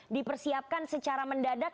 dipersiapkan secara mendadak